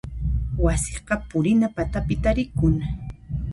Wasiqa purina patapi tarikun.